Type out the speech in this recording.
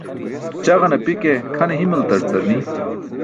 Ćaġan api ke kʰane himaltar car ni.